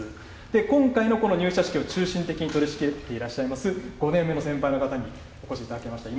今回のこの入社式を中心的に取り仕切っていらっしゃいます、５年目の先輩の方にお越しいただきました。